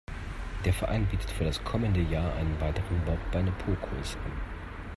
Der Verein bietet für das kommende Jahr einen weiteren Bauch-Beine-Po-Kurs an.